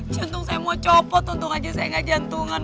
jantung saya mau copot untung aja saya gak jantungan